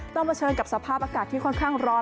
ต้องเผชิญกับสภาพอากาศที่ค่อนข้างร้อนและแห้ง